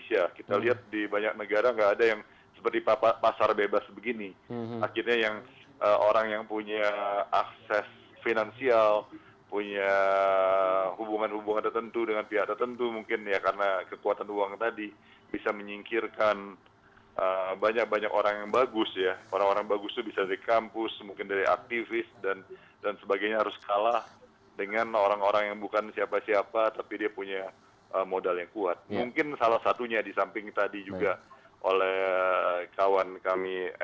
sangat tidak menyangka kejadian ini dan sangat mengejutkan kami